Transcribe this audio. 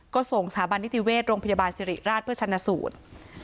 ก็ส่งสถาบันนิติเวชโรงพยาบาลสิริราชเพื่อชนะสูตร